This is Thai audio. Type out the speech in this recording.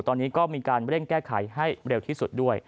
ตอนนี้ก็มีการเร่งแก้ไขให้เร็วที่สุดด้วย